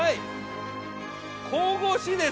神々しいです。